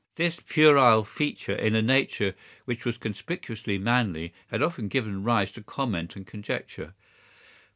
This puerile feature in a nature which was conspicuously manly had often given rise to comment and conjecture.